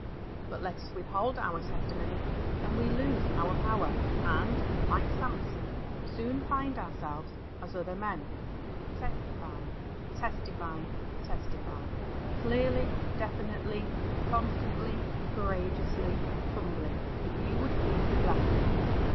But let us withhold our testimony, and we lose our power and, like Samson, soon find ourselves "as other men." Testify, testify, testify — clearly, definitely, constantly, courageously, humbly — if you would keep the blessing.